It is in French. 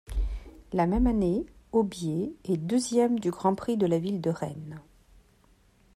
La même année, Aubier est deuxième du Grand Prix de la ville de Rennes.